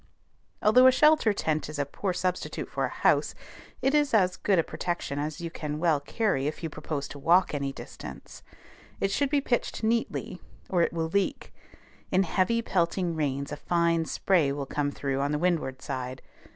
Although a shelter tent is a poor substitute for a house, it is as good a protection as you can well carry if you propose to walk any distance. It should be pitched neatly, or it will leak. In heavy, pelting rains a fine spray will come through on the windward side.